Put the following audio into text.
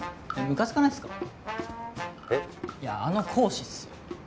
あの講師っすよ。